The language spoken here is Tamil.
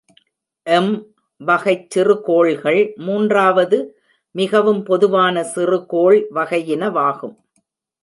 எம்-வகைச் சிறுகோள்கள் மூன்றாவது மிகவும் பொதுவான சிறுகோள் வகையினவாகும்.